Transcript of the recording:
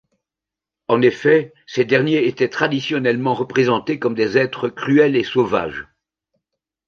En effet, ces derniers étaient traditionnellement représentés comme des êtres cruels et sauvages.